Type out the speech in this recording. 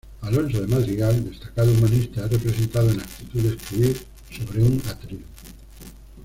Alonso de Madrigal, destacado humanista, es representado en actitud de escribir sobre un atril.